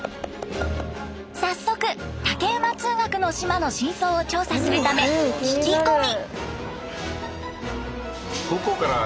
早速竹馬通学の島の真相を調査するため聞き込み。